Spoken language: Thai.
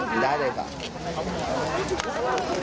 พี่ยังสนุกกันครับ